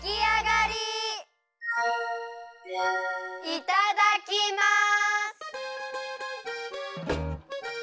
いただきます！